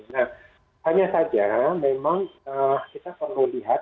nah hanya saja memang kita perlu lihat